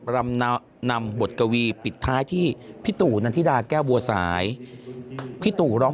ำนำบทกวีปิดท้ายที่พี่ตู่นันทิดาแก้วบัวสายพี่ตู่ร้อง